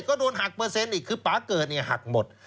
ก็โดนหักเปอร์เซ็นต์อีกคือป่าเกิดเนี่ยหักหมด